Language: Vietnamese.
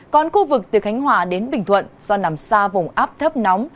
còn khu vực từ khánh hòa đến bình thuận do nằm xa vùng áp thấp nóng